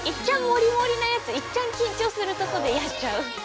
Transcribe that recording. モリモリなやついっちゃん緊張するとこでやっちゃう。